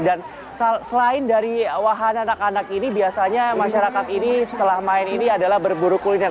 dan selain dari wahana anak anak ini biasanya masyarakat ini setelah main ini adalah berburu kuliner